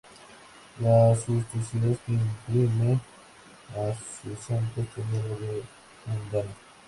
La suntuosidad que imprime a sus santos tiene algo de mundano.